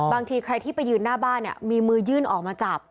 บางทีใครที่ไปยืนหน้าบ้านเนี่ยมีมือยื่นออกมาจับ